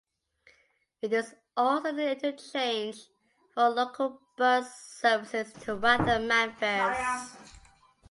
It is also an interchange for local bus services to Wath and Manvers.